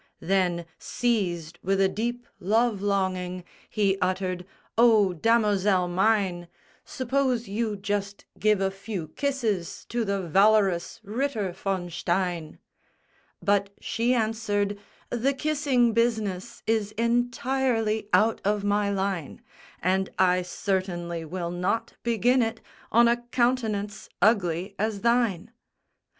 Then, seized with a deep love longing, He uttered, "O damosel mine, Suppose you just give a few kisses To the valorous Ritter von Stein!" But she answered, "The kissing business Is entirely out of my line; And I certainly will not begin it On a countenance ugly as thine!"